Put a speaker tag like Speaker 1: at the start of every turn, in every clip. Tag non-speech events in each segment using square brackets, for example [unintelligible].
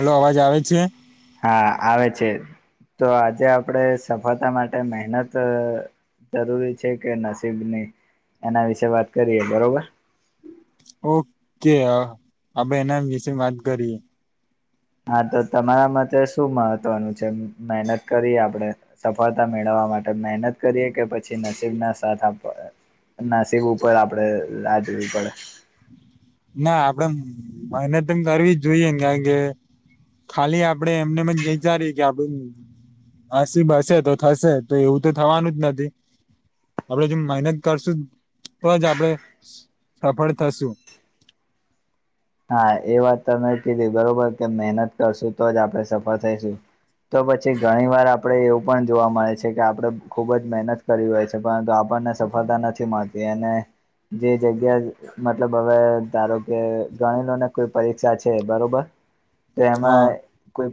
Speaker 1: Hello અવાજ આવે છે
Speaker 2: હા આવે છે. તો આજે આપડે સફળતા માટે મહેનત જરૂરી છે કે નસીબની એના વિશે વાત કરીએ બરોબર.
Speaker 1: ઓકે આપે એમે વિશે વાત કરીએ.
Speaker 2: હા તો તમારા માટે શું મહત્વનું છે મહેનત કરી આપડે સફળતા મેળવા. માટે મહેનત કરીએ કે પછી નસીબના સાથ આપ. નસીબ ઉપર આપડે રાજવી પડે.
Speaker 1: ના આપડે મહેનત કરવી જ જોઈએ ને કારણ કે. ખાલી આપડે એમને એમ વિચારી કે આપણે. નસીબ હસે તો થશે તો એવું તો થવાનું જ નથી. આપડે જો મહેનત કરશું તોજ આપડે સફળ થશું.
Speaker 2: હા એ વાત તમે કીધી બરોબર કે મહેનત કરશું તો જ આપણેે સફળ થઈશું. તો પછી ઘણી વાર આપણેે એવું પણ જોવા મળે છે કે આપડણે ખુબ જ મહેનત કરી હોય છે પરંતુ આપ. આપને સફળતા નથી મળતી અને જે જગ્યા મતલબ હવે ધારો કે ગણી લો ને કોઈ પરીક્ષા છે. બરોબર તો
Speaker 1: હા
Speaker 2: એમાં કોઈ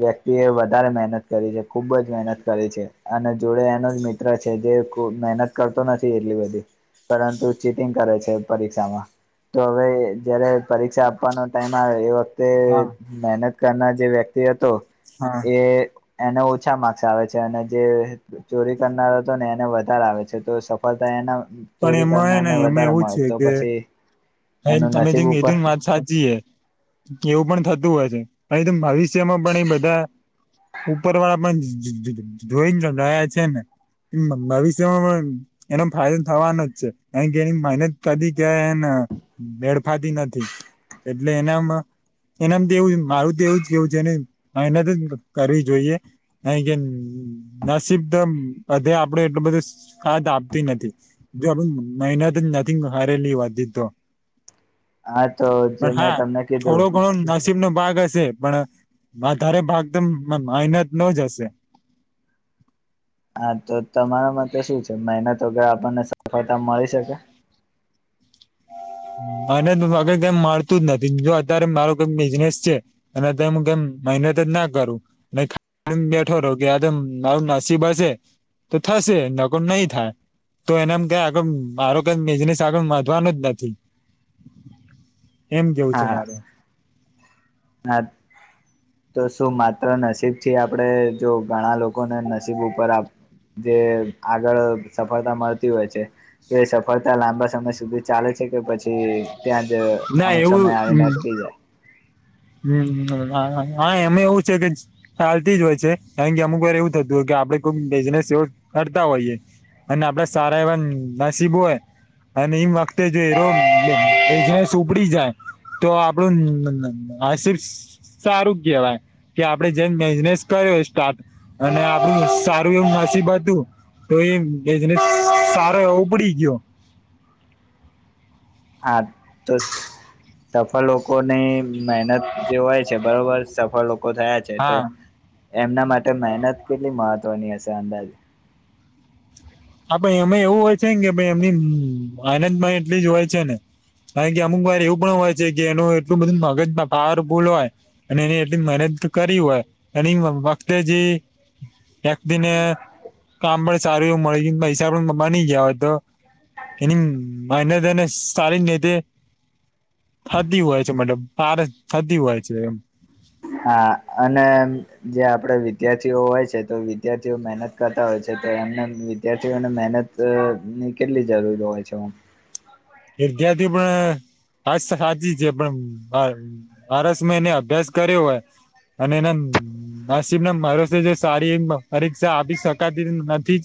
Speaker 2: વ્યક્તિ એ વધારે મહેનત કરી છે. ખુબ જ મહેનત કરી છે અને જોડે એનો જ મિત્ર છે. જે મહેનત કરતો નથી એટલી બધી પરંતુ ચીટિંગ કરે છે પરીક્ષામાં. તો હવે. જયારે પરીક્ષા આપવાનો ટાઈમ આવે એ વખતે
Speaker 1: હા
Speaker 2: મહેનત કરનાર જે વ્યક્તિ હતો.
Speaker 1: હા
Speaker 2: એ એને ઓછા માર્ક્સ આવે છે. અને જે ચોરી કરનાર હતો ને એને વધારે આવે છે તો સફળતા એના
Speaker 1: પણ
Speaker 2: ચોરી
Speaker 1: એમાં હે ને
Speaker 2: કરનારને
Speaker 1: એમાં
Speaker 2: વધારે
Speaker 1: એવું
Speaker 2: મળે
Speaker 1: છે
Speaker 2: તો
Speaker 1: કે
Speaker 2: પછી.
Speaker 1: હ
Speaker 2: એનું
Speaker 1: અમે
Speaker 2: નસીબ
Speaker 1: એ તો
Speaker 2: ઉપર
Speaker 1: વાત સાચીએ એવું પણ થતું. હોય છે ભવિષ્યમાં પણ એ બધા. ઉપર વાળા પણ ધોઈને રહયા છે ને ભવિષ્યમાં પણ એનો ફાયદો થવાનો જ છે કારણ કે એની મહેનત કરી કે એને મેડફાતી નથી એટલે એનામાં એનામ તો એવું મારું તો એવું જ કેવું છે. એને મહેનત જ કરવી જોઈએ અ કે નસીબ તો હધે આપડે એટલું બધુંદ આપતી નથી જો આપ. નંગ હારલી હોતી તો
Speaker 2: હા તો જે
Speaker 1: પણ
Speaker 2: મેં
Speaker 1: હા
Speaker 2: તમને કીધું
Speaker 1: થોડો ઘણો નસિબ નો ભાગ હશે પણ વધારે ભાગ તો મહેનત ન જ હશે. [inaudible]
Speaker 2: હા તો તમારા માટે શું છે. મહેનત વગર આપણને સફળતા મળી શકે.
Speaker 1: [inaudible] અને અગર કેમ મળતું જ નથી જો અત્યારે માર ક બિઝનેસ છે. અને અત્યારેમ મહેનત જ ના કરું બેઠો રહો કે આ મારું નસીબ હશે તો થશે નગર નહી થાય. તો એનામ કઈ આગળ મારો કઈ બિઝનેસ આગળ વધવાનો જ નથી. એમ કેવું છે
Speaker 2: હા
Speaker 1: મારું.
Speaker 2: હા તો શું માત્ર નસીબ થી આપણેે જો ઘણા લોકો. લોકોને નસીબ ઉપર આપ. જે આગળ સફળતા મળતી હોય છે તે સફળતા લાંબા સમય સુધી ચાલે છે કે પછી પછ ત્યાં જ
Speaker 1: ના
Speaker 2: અમુક
Speaker 1: એવું
Speaker 2: સમય આવીને અટલી જાય.
Speaker 1: હમ હા એમે એવું છે કે ચાલતી જ હોય છે આ કે અમુક વાર એવું થતું હો આપ કોઈક બિઝનેસ એ કરતા હોઈએ અને આપડ સારા એવા નસીબો હોય અને એમ વખતે જો એસ ઉપડી જાય તો આપડું આસિર્ સારું કેવાય કે આપડે જેમ બિઝનેસ કર્યો સ્ટાર્ટ અને આપડું સારું એવું [unintelligible] હતું તો એને સારો એ ઉપડી ગયો
Speaker 2: હા તો સફળ લોકોને મહેનત જે હોય છે બરોબર સફળ લોકો થયા છે તો
Speaker 1: હા
Speaker 2: એમના માટે મહેનત કેટલી મહત્વની હશે અંદાજે
Speaker 1: હા પણ એમે એવું હોય છે ને કે ભ એમની આનંદમાં એટલી જ હોય છે ને કારણ કે અમુક વાર એવું પણ હોય છે કે એનું એટલું બધું મગજમાં ભાર ભૂલ હોય અને એને એટલી મહેનત કર હોય એની વખતે જે એક દી ને કામ પણ સારું એવું મળી ગયું પૈસા પણ બની ગયા હોય તો એની એનેને સારી નેધ થતી હોય છે મતલબ ફાર થતી હોય છે એમ
Speaker 2: હા અને જે આપડે વિદ્યાર્થીઓ હોય છે તો વિદ્યાર્થીઓ મહેનત કરતા હોય છે. એમ વિદ્યાર્થીઓને મહેહનત ની કેટલી જરૂર હોય છે.
Speaker 1: વિદ્યાર્થી પણ હાચી છે પણ [unintelligible] અભ્યાસ કર્યો હોય અને એના [unintelligible] પરીક્ષા આપી શકાતી નથી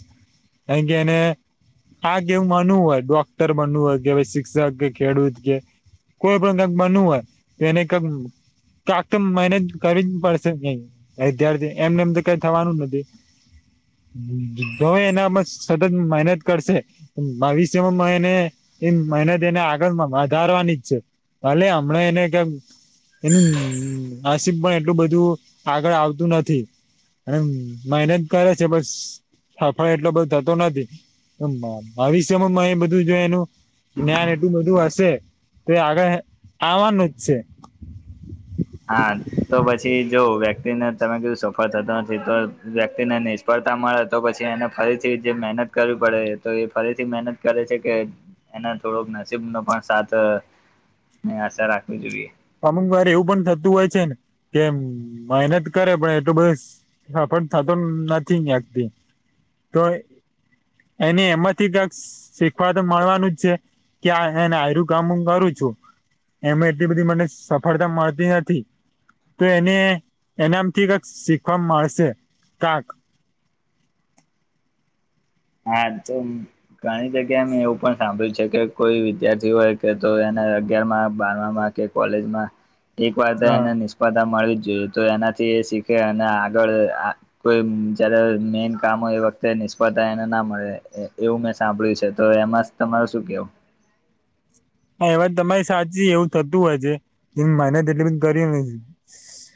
Speaker 1: જ [unintelligible] ડોક્ટર બનવું હોય શિક્ષક કે ખેડૂત કે કોઈ પણ હોય એને [unintelligible] એમને એમ તો કઈ થવાનું નથી તોય એનામાં સતત મહેનત કરશે ભવિષ્ય માં એને એની મેહનત એની અગાળ વધારવાની છે ભલે અમના એને એમ એનું નસીબ પણ એટલું બધું આગળ આવતું નથી અને મહેનત કરે છે બસ સાફળ એટલો બધો થતો નથી ભવિષ્ય માં એ બધું જો એનું જ્ઞાન એટલું બધું હશે તો આગળ આવવાનું જ છે [inaudible]
Speaker 2: હા તો પછી જો વ્યક્તિને તમે કીધું સફળ થતો નથી તો વ્યક્તિને નિષ્ફળ તા મળે તો પછી એને ફરીથી જે મહેનત કરવી પડે તો એ ફરીથી મહેનત કરે છે કે એના થોડોક નસીબનો પણ સાથ આશા રાખવી જોઈએ
Speaker 1: અમુકવાર એવું પણ થતું હોય છે ને કે મહેનત કરે પણ પણ થતો નથી વ્યક્તિ તો એને એમાંથી શ શીખવા તો મળવાનું જ છે કે [unintelligible] કામ હું કરું છું એમે એટલી બધી મને સફળતા મળતી નથી. તો એને એનામથી શીખવા મળશે તાક [inaudible]
Speaker 2: હા તો ઘણી જગ્યાએ મે એવું પણ સાંભળ્યું છે કે કોઈ વિદ્યાર્થી હોય કે તો એના અગિયાર માં બાર મામા કે કોલેજમાં એક વાર
Speaker 1: હા
Speaker 2: એને નિષ્ફળતા મળી જોઈએ તો એનાથી એ શીખે અને આગળ કોઈ જયારે મેન કામ હોય એ વખતે ને નિષ્ફળતા એને ના મળે એવું મેં સાંભળ્યું છે તો એમાં તમારે શું કેવું
Speaker 1: આ વાત તમારી સાચી એવું થતું હોય છે મહેનત એટલી કર્યે નથી.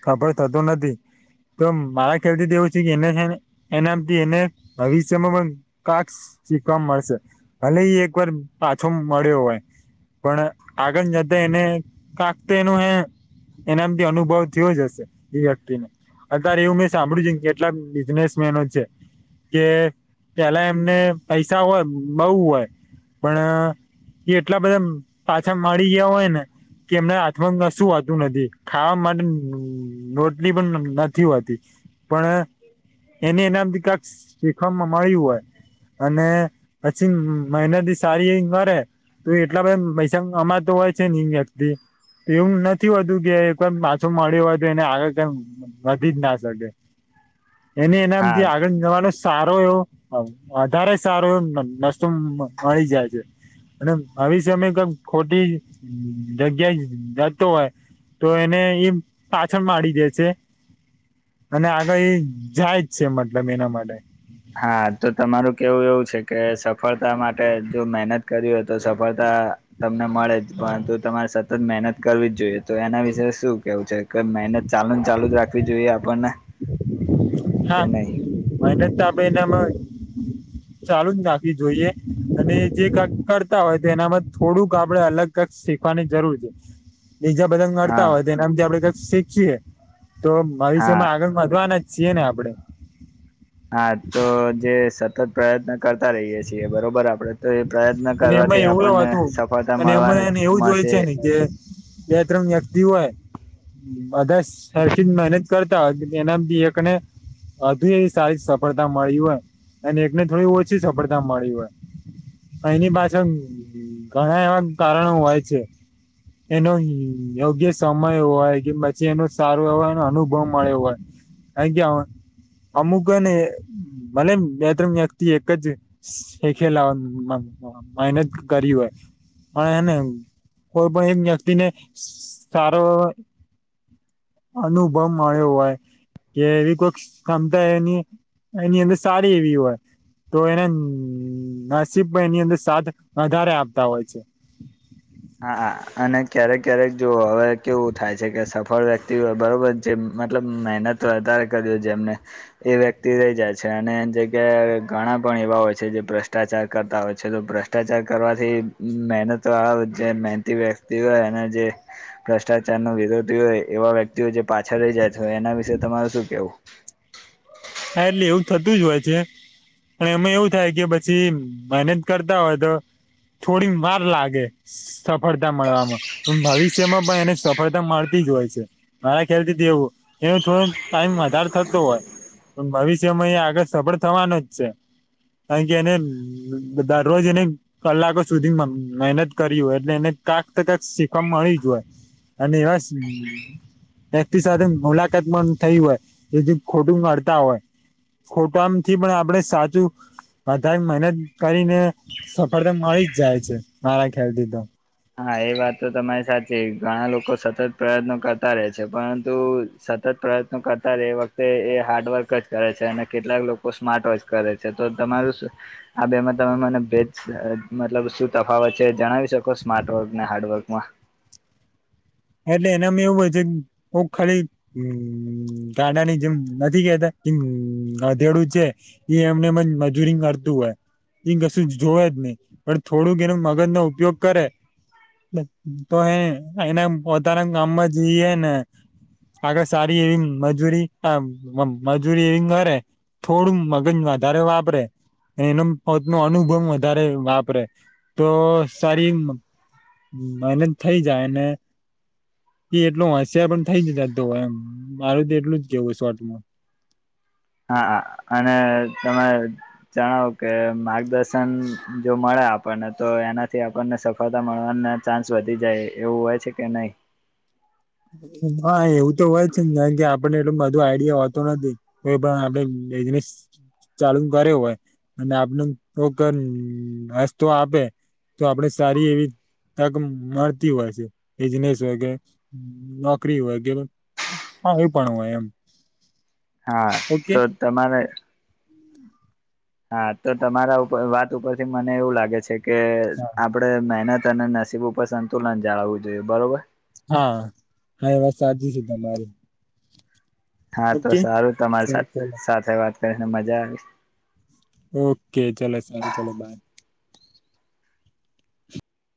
Speaker 1: ખબર થતો નથી તો મારા ખ્યાલ થી એવું છે કે એની હેની ભવિષ્યમાં પણ કાક સીખવા મળશે ભલે એક વાર પાછો મળ્યો હોય પણ આગળ જતા એને કાક તો એનું હે [inaudible] અનુભવ થીયો જ હશે એ વ્યક્તિને અત્યારે એવું મે સાંભળ્યું છે કેટલા બિઝનેસ મેનો છે કે પેલા એમને પૈસા હોય બોઉ હોય પણ એ એટલા બધા પાછા [unintelligible] ગયા હોય ને કે એમના હાથમાં કશું હોતું નથી ખાવા માટે રોટલી પણ નથી હોતી પણ એને એનાથી કાક શીખવામાં મળ્યું હોય અને પછી મહેનથી સારી [inaudible] [inaudible] એવું નથી હોતું કે એકવાર પાછો મળ્યો હોય તો એને [inaudible] વધી જ ના શકે એને
Speaker 2: હા
Speaker 1: [inaudible] આગળ જવા નો સારો એવો વધારે સારો એ નસ્તો મળી જાય છે અને [inaudible] ખોટી જગ્યા જતો હોય તો એને ઈમ પાછળ માડી દે છે અને આગળ [inaudible] છે મતલબ એના માટે
Speaker 2: હા તો તમારું કેવું એવું છે કે સફળતા માટે જો મહેનત કરી હોય તો સફળતા તા તમને મળે જ પરંતુ તમારે સતત મહેનત કરવી જ જોઈએ તો એના વિશે શું કેવું છે [unintelligible] મહેનત ચાલુ ને ચાલુ જ રાખવી જોઈએ આપણને
Speaker 1: હા
Speaker 2: કે નહી
Speaker 1: મને તો [inaudible] ચાલુ જ નાખવી જોઈએ અને જે કરતા હોય તોનામાં થોડુંક આપડે અલગ શીખવાની જરૂર છે. બીજા બધા નડતા
Speaker 2: હા
Speaker 1: હોય તો એનાથી આપણે કક શીખીએ તો મા
Speaker 2: હા
Speaker 1: વિષમાં આગળ જવાના જ છીએ ને આપણે
Speaker 2: હા તો જે સતત પ્રયત્ન કરતા રહીએ છીએ બરોબર આપણેે તો એ પ્રયત્ન
Speaker 1: અને એમાં
Speaker 2: કરવાથી
Speaker 1: એવું
Speaker 2: આપણને
Speaker 1: હતું
Speaker 2: સફળતા
Speaker 1: અને
Speaker 2: મળવા
Speaker 1: એમાં એવું જ હોય
Speaker 2: મળશે
Speaker 1: છે ને કે બે ત્રણ વ્યક્તિ હોય બધા સરખી જ મેનેજ કરતા એના બ એકને અધુ સારી સફળતા મળી હોય. અને એકને થોડી ઓછી સફળતા મળી હોય. એની પાછળ ઘણા એવા કારણો હોય છે. એનો યોગ્ય સમય હોય કે પછી એનો સારો એવ અનુભવ મળ્યો હોય. આઇગ્યા હવ અમુકને મને બે ત્રણ વ્યક્તિ એક જ શે શેખેલાવાનું મહે મહેનત કરી હોય પણ એને કોઈ પણ એક વ્યક્તિને સારો અનુભવ મળ્યો હોય. કે એવી કોઈક ક્ષમતા એની એની અંદર સારી એવી હોય. તો એને શભાઈ એની અંદર સાથ વધારે આપતા હોય છે.
Speaker 2: હા અને ક્યારેક ક્યારેક જો હવે કેવું થાય છે કે સફળ વ્યક્તિ હો બરોબર જેમ મતલબ મહેનત વધારે કર જેમને એ વ્યક્તિ રહી જાય છે અને જગ્યાએ ઘણા પણ એવા હોય છે જે ભ્રષ્ટાચાર કરતા હોય છે તો ભ્રષ્ટાચાર કરવાથી મહેનત આ જે મહેનતી વ્યક્તિ હોય અને જે ભ્રષ્ટાચાર ન વિરોધી હોય એવા વ્યક્તિઓ જે પાછળ રહી. એના વિશેે તમારે શું કેવું?
Speaker 1: હા એટલે એવું થતું જ હોય છે. પણ એમાં એવું થાય કે પછી મહેનત કરતા હોય તો થોડી વાર લાગે સફળતા મળવામાં ભવિષ્યમાં પણ એને સફળતા મળતી. હોય છે મારા ખ્યાલથી દવું એ થોડો ટાઈમ વધાર થતો હોય. પણ ભવિષ્યમાં અહીંયા આગળ સફળ થવાનું જ છે. કારણ કે એને દરરોજ એને કલાકો સુધી મહેનત કરી હોય એટલે એને કાંક કંક શીખવા મળી જ હોય અને એવા. વ્યક્તિ સાથે મુલાકાત પણ થઈ હોય એ ખોટું મળતા હોય. ખોટામથી પણ આપડ સાચું વધધારે મહેનત કરીને સફળતા મળી જ જાય છે મારા ખ્યાલ થી તો
Speaker 2: હા એ વાત તો તમારી સાચી ઘણા લોકો સતત પ્રયત્નો કરતા રહે છે પરંતુ સતત પ્રયત્નો કરતા એ વખતે એ હાર્ડ વર્ક જ કરે છે અને કેટલાક લોકો સ્માર્ટ વોચ કરે છે તો તમે આ બેમાં તમે મને ભ મતલબ શું તફાવત છે જણાવી શકો. સ્માર્ટવર્ક ને હાર્ડવર્કમાં.
Speaker 1: એટલે એનામાં એવું હોય છે ખાલી હ ગાડાની જેમ નથી કેતામ હ અધેડું છે એ એમને મજૂરી કરતું હોય એઈ કશું જોવે જ નહી પણ થોડુંક એનો મગજ નો ઉપયોગ કરે. તો એ એના પોતાના ગામમાં જઈએ ને આગ સારી એવીંગ મજૂરી હ મજૂરી એવીિંગ થોડું મગજ વધારે વાપરે- એનો પોતનો અનુભવ વધારે વાપરે તો સારી. એને થઇ જાયને એ એટલ હોશિયાર પણ થઇ જ જય એમ મારું તો એટલું જ કેવું શોર્ટમાં. [unintelligible]
Speaker 2: હા અને તમે જણાવ કે માર્ગદર્શન જો મળે આપ પણ તો એનાથી આપણને સફળતા મળવાના ચાન્સ વધી જાય એવું હોય છે કે નહીિ
Speaker 1: [inaudible] હા એવું તો હોય છે ને કારણ કે આપણને એટલું બધું આઈડિયા હોતો નથી કો પણ આપે એ જ ચાલુ કરે હોય અને આપને કોક રસ્તો આપે તો આપણે સારી એવી તક મળતી હોય છે બિજનેસ વગેરે નોકરી હોય કે એવું પણ હોય એમ
Speaker 2: હા
Speaker 1: ઓકે
Speaker 2: તો તમારે હા તો તમારા ઉપર વાત ઉપરથી મને એવું લાગે છે કે
Speaker 1: હા
Speaker 2: આપણેે મહેનત તને નસીબ ઉપર સંતુલન જાળવવું જોઈએ બરોબર
Speaker 1: હા હા વાત સા છે તમારી
Speaker 2: હા તો
Speaker 1: ઓકે
Speaker 2: સારું તમારી
Speaker 1: સારું ચાલો.
Speaker 2: સાથે વાત કરીને મજા આવે
Speaker 1: ઓકે ચલો સા ચલો બાય